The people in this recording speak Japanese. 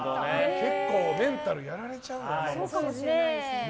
結構メンタルやられちゃうよね。